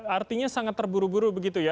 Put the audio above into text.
artinya sangat terburu buru begitu ya